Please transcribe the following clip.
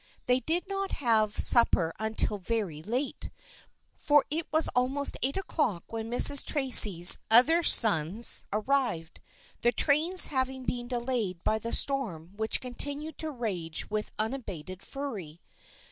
They did not have supper until very late, for it was almost eight o'clock when Mrs. Tracy's other sons arrived, the trains having been delayed by the storm which continued to rage with unabated fury.